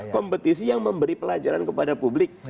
kompetisi yang memberi pelajaran kepada publik